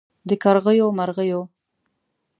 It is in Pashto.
د کرغیو د مرغیو